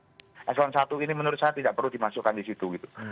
dan pejabat setingkat s sebelas ini menurut saya tidak perlu dimasukkan disitu gitu